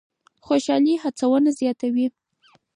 خوشالي هڅونه زیاتوي.